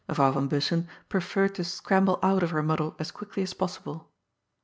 Mevrouw van Bussen preferred to scramble out of her muddle as quickly as possible.